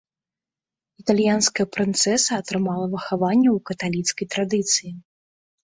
Італьянская прынцэса атрымала выхаванне ў каталіцкай традыцыі.